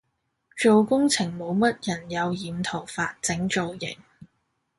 做工程冇乜人有染頭髮整造型